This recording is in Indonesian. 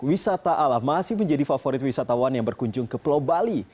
wisata alam masih menjadi favorit wisatawan yang berkunjung ke pulau bali